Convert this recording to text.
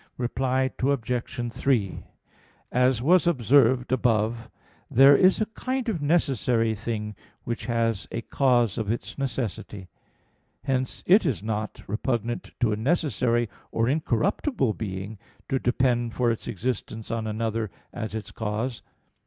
Reply Obj. 3: As was observed above (Q. 44, A. 1) there is a kind of necessary thing which has a cause of its necessity. Hence it is not repugnant to a necessary or incorruptible being to depend for its existence on another as its cause.